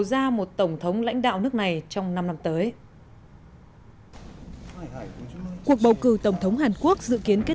ra một tổng thống lãnh đạo nước này trong năm năm tới cuộc bầu cử tổng thống hàn quốc dự kiến kết